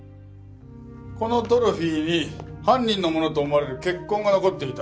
このトロフィーに犯人のものと思われる血痕が残っていた。